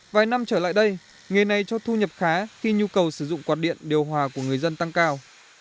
vài năm trở lại đây nghề này cho thu nhập khá khi nhu cầu sử dụng quạt điện điều hòa của người dân tăng cao